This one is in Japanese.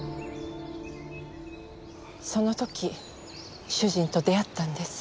その時主人と出会ったんです。